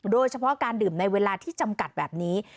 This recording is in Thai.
โดยเฉพาะการดื่มในเวลาที่จำกัดแบบนี้